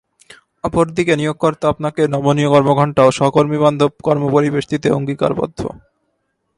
অপর দিকে নিয়োগকর্তা আপনাকে নমনীয় কর্মঘণ্টা ও সহকর্মীবান্ধব কর্মপরিবেশ দিতে অঙ্গীকারবদ্ধ।